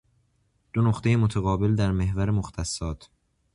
دو نقطه متقابل در محور مختصات